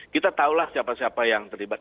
kita tahulah siapa siapa yang terlibat